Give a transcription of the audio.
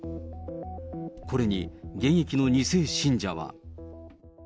これに現役の２世信者は。